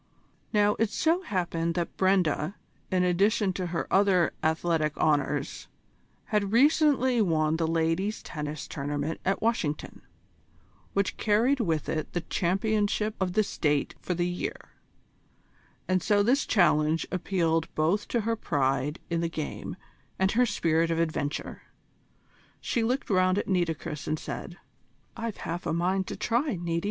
Now, it so happened that Brenda, in addition to her other athletic honours, had recently won the Ladies' Tennis Tournament at Washington, which carried with it the Championship of the State for the year, and so this challenge appealed both to her pride in the game and her spirit of adventure. She looked round at Nitocris, and said: "I've half a mind to try, Niti.